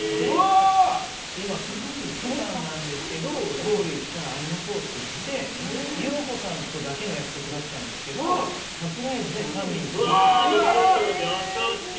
今、プサンなんですけどソウル行ったら会いましょうって言ってユンホさんとだけの約束だったんですけどサプライズでチャンミンさんも来てくれた。